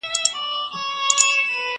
زه کولای سم سبزېجات تيار کړم!!